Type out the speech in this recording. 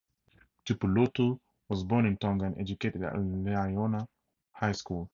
Tupulotu was born in Tonga and educated at Liahona High School.